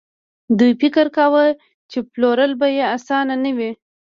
دوی فکر کاوه چې پلورل به يې اسانه نه وي.